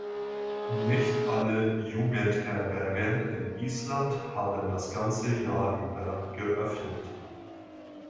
Nicht alle Jugendherbergen in Island haben das ganze Jahr über geöffnet.